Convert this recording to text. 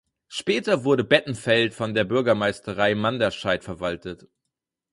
Später wurde Bettenfeld von der Bürgermeisterei Manderscheid verwaltet.